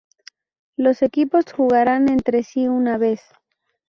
Los equipos jugaran entre sí una vez.